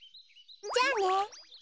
じゃあね。